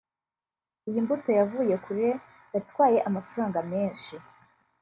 “Iyi mbuto yavuye kure yatwaye amafaranga mesnhi